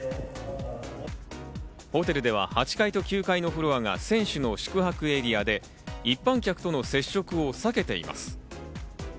ホテルでは８階と９階のフロアが選手の宿泊エリアで一般客との接触を避けています。